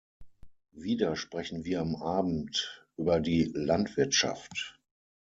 Wieder sprechen wir am Abend über die Landwirtschaft.